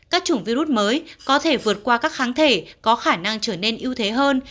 các chủng virus mới có thể vượt qua các kháng thể có khả năng trở nên ưu thế hơn